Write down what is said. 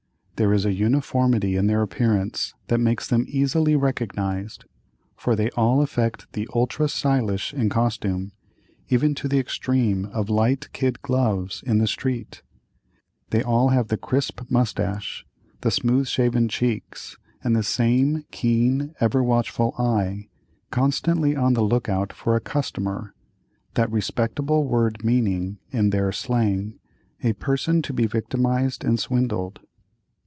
There is a uniformity in their appearance that makes them easily recognised, for they all affect the ultra stylish in costume, even to the extreme of light kid gloves in the street; they all have the crisp moustache, the smooth shaven cheeks, and the same keen, ever watchful eye, constantly on the look out for a "customer," that respectable word meaning, in their slang, a person to be victimized and swindled.